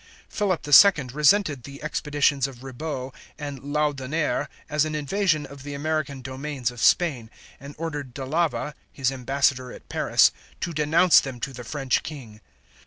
Philip the Second resented the expeditions of Ribaut and Laudonniere as an invasion of the American domains of Spain, and ordered D'Alava, his ambassador at Paris, to denounce them to the French King.